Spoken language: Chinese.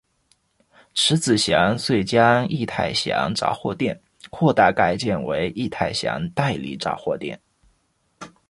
迟子祥遂将益泰祥杂货店扩大改建为益泰祥代理杂货店。